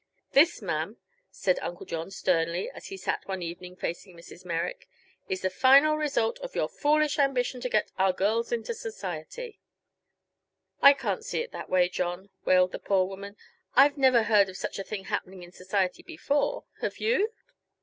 "This, ma'am," said Uncle John, sternly, as he sat one evening facing Mrs. Merrick, "is the final result of your foolish ambition to get our girls into society." "I can't see it that way, John," wailed the poor woman. "I've never heard of such a thing happening in society before, have you?"